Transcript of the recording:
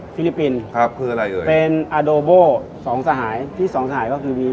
ฟิลิปปินส์ครับคืออะไรเลยเป็นสองสหายที่สองสหายก็คือมี